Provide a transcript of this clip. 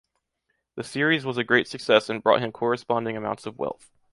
The series was a great success and brought him corresponding amounts of wealth.